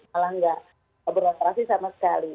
malah nggak beroperasi sama sekali